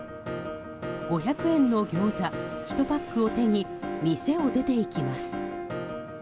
５００円のギョーザ１パックを手に店を出ていきます。